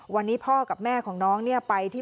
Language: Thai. วันนี้พ่อกับแม่ของน้องเนี่ยไปที่